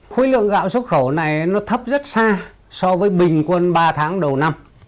khối lượng gạo xuất khẩu này nó thấp rất xa so với bình quân ba tháng đầu năm